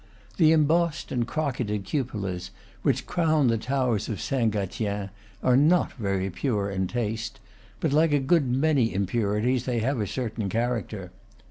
The embossed and crocketed cupolas which crown the towers of Saint Gatien are not very pure in taste; but, like a good many impurities, they have a certain character.